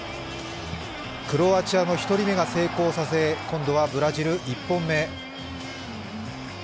クロアチアの１人目が成功させ今度はブラジル１本目。